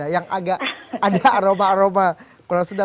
yang agak ada aroma aroma